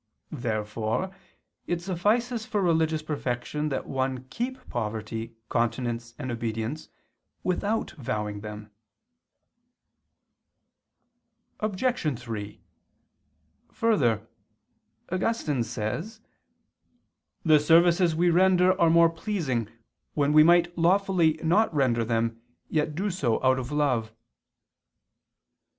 Therefore it suffices for religious perfection that one keep poverty, continence, and obedience without. vowing them. Obj. 3: Further, Augustine says (Ad Pollent., de Adult. Conjug. i, 14): "The services we render are more pleasing when we might lawfully not render them, yet do so out of love."